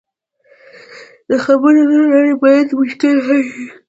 د خبرو له لارې باید مشکل حل شي.